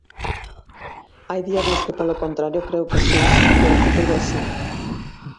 Hai días nos que polo contrario creo que si, que o futuro é si.